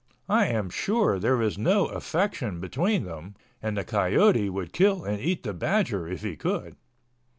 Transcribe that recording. I am sure there is no affection between them—and the coyote would kill and eat the badger if he could.